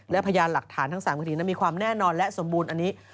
และพยานหลักฐานทั้ง๓คดีนั้นมีความแน่นอนและสมบูรณ์อันนี้